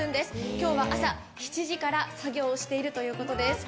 今日は朝７時から作業をしているということです。